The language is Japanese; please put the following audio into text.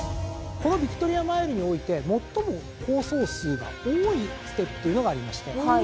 このヴィクトリアマイルにおいて最も好走数が多いステップというのがありましてそれが。